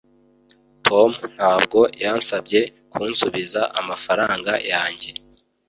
tom ntabwo yansabye kunsubiza amafaranga yanjye